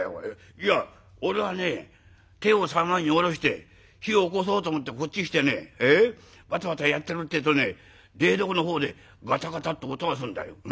いや俺はね鯛を三枚におろして火をおこそうと思ってこっち来てねわたわたやってるってえとね台所の方でガタガタッて音がするんだよ。